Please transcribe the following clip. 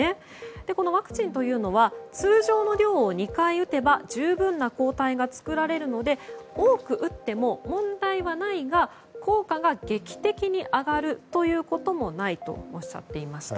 このワクチンというのは通常の量を２回打てば十分な抗体が作られるので多く打っても問題はないが効果が劇的に上がるということもないとおっしゃっていました。